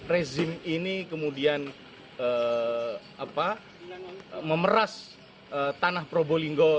rezim ini kemudian memeras tanah probolinggo